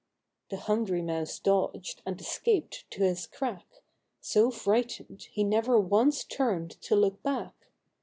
The hungry Mouse dodged, and escaped to his crack, So frightened, he never once turned to look back.